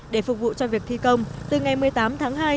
để phục vụ cho việc thi công từ ngày một mươi tám tháng hai